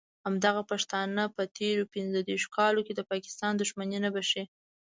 همدغه پښتانه په تېرو پینځه دیرشو کالونو کې د پاکستان دښمني نه بښي.